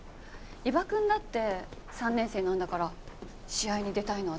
伊庭くんだって３年生なんだから試合に出たいのは当然です。